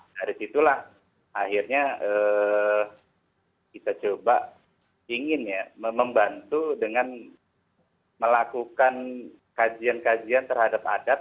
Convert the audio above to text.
dari situlah akhirnya kita coba ingin ya membantu dengan melakukan kajian kajian terhadap adat